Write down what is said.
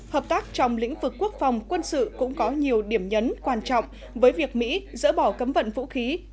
hợp tác trong lĩnh vực quốc phòng quân sự cũng có nhiều điểm nhấn quan trọng với việc mỹ dỡ bỏ cấm vận vũ khí